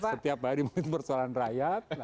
setiap hari mungkin persoalan rakyat